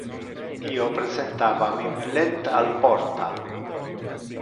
Io presentava mi billet al porta.